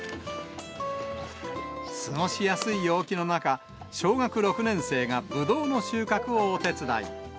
過ごしやすい陽気の中、小学６年生がブドウの収穫をお手伝い。